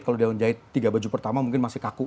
kalau daun jahit tiga baju pertama mungkin masih kaku